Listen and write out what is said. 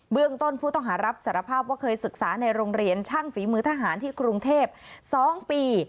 ต้นผู้ต้องหารับสารภาพว่าเคยศึกษาในโรงเรียนช่างฝีมือทหารที่กรุงเทพ๒ปี